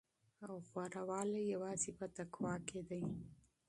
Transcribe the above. غوره والی یوازې په تقوی کې دی.